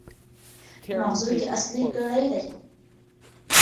په ماغزو کې اصلي ګړۍ ده.